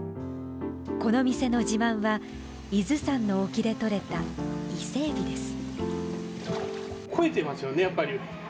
この店の自慢は伊豆山の沖でとれた伊勢えびです。